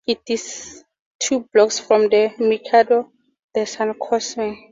It is two blocks from the Mercado de San Cosme.